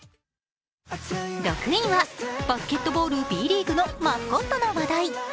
６位はバスケットボール、Ｂリーグのマスコットの話題。